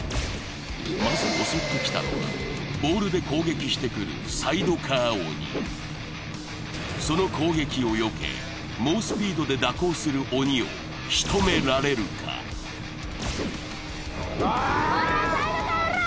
まず襲ってきたのはボールで攻撃してくるサイドカー鬼その攻撃をよけ猛スピードで蛇行する鬼をしとめられるかおおおらサイドカーおら！